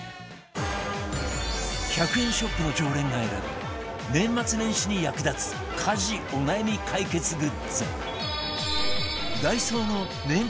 １００円ショップの常連が選ぶ年末年始に役立つ家事お悩み解決グッズダイソーの年間